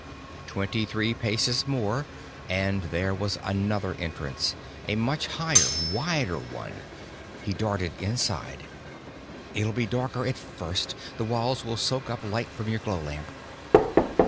Twenty three paces more, and there was another entrance, a much higher, wider one. He darted inside. _It'll be darker, at first. The walls will soak up light from your glow lamp.